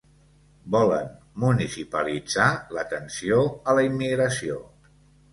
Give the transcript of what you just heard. Volen municipalitzar l'atenció a la immigració.